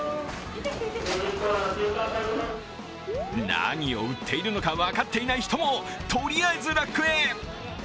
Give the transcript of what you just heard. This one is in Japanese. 何を売っているのか分かっていない人も、とりあえずラックへ。